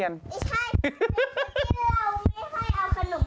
อ๋อหน้าแม่โบเหมือนเบเบ